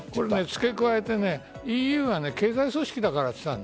付け加えてＥＵは経済組織だからと言った。